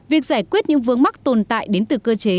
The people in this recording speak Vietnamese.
việc giải quyết những vương mắc tồn tại đến từ cơ chế